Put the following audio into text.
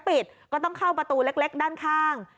ปิดก็ต้องเข้าประตูเล็กด้านข้าง